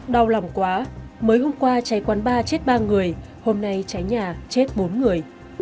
đau lòng quá mới hôm qua cháy quán ba chết ba người hôm nay cháy nhà chết bốn người